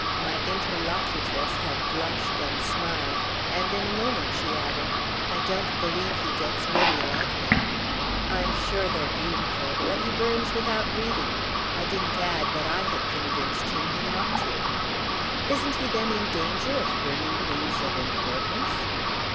My interlocutress had blushed and smiled, and in a moment she added: "I don't believe he gets many like them!" "I'm sure they're beautiful, but he burns without reading." I didn't add that I had convinced him he ought to. "Isn't he then in danger of burning things of importance?"